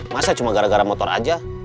masa cuma gara gara motor aja